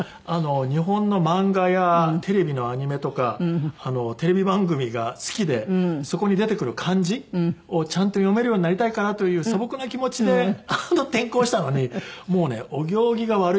日本の漫画やテレビのアニメとかテレビ番組が好きでそこに出てくる漢字をちゃんと読めるようになりたいからという素朴な気持ちで転校したのにもうねお行儀が悪いとか。